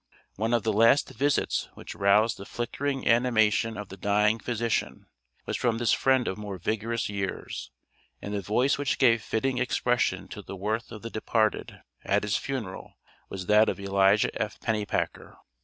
One of the last visits which roused the flickering animation of the dying physician, was from this friend of more vigorous years, and the voice which gave fitting expression to the worth of the departed, at his funeral, was that of Elijah F. Pennypacker.